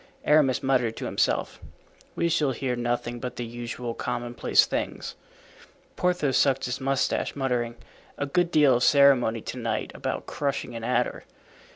Aramis muttered to himself, "We shall hear nothing but the usual commonplace things." Porthos sucked his mustache, muttering, "A good deal of ceremony to night about crushing an adder."